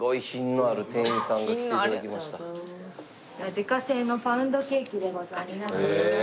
自家製のパウンドケーキでございます。